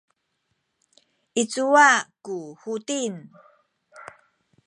i cuwa ku Huting?